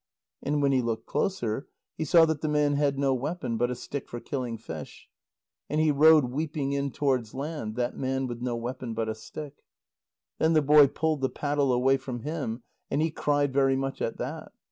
And when he looked closer, he saw that the man had no weapon but a stick for killing fish. And he rowed weeping in towards land, that man with no weapon but a stick. Then the boy pulled the paddle away from him, and he cried very much at that.